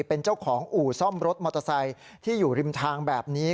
เป็นเจ้าของอู่ซ่อมรถมอเตอร์ไซค์ที่อยู่ริมทางแบบนี้